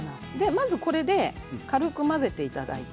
まずこれで軽く混ぜていただいて